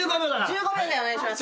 １５秒でお願いします。